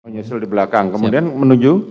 menyusul di belakang kemudian menuju